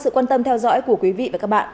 cảm ơn sự quan tâm theo dõi của quý vị và các bạn